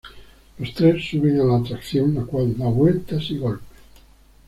Los tres suben a la atracción la cual da vueltas y golpes.